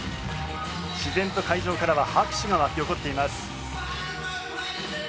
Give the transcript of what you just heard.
自然と会場からは拍手が湧き起こっています。